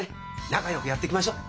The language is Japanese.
仲よくやっていきましょう。